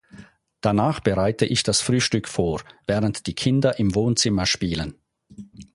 Danach bereite ich das Frühstück vor, während die Kinder im Wohnzimmer spielen.